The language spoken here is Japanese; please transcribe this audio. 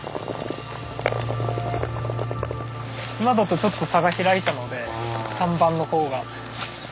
今だとちょっと差が開いたので３番の方が。